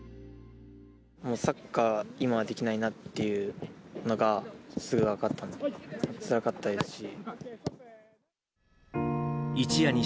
サッカー、今はできないなって、なんか、すぐ分かったので、つらかったですし。